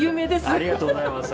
ありがとうございます。